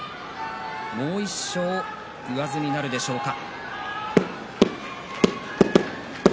もう１勝上積みなるでしょうか。